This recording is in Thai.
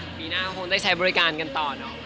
ปีหน้าหรือในศักดิ์บริการกันตอนเหรอ